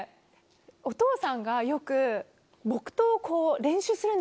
お父さんがよく木刀をこう練習するんですよ。